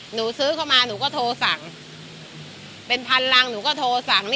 หนูซื้อเข้ามาหนูก็โทรสั่งเป็นพันรังหนูก็โทรสั่ง